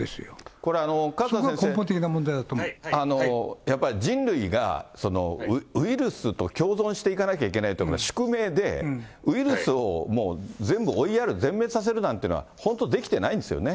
これは、勝田先生、やっぱり、人類がウイルスと共存していかなきゃいけないということは宿命で、ウイルスをもう、全部追いやる、全滅させるなんていうのは、本当、できてないんですよね。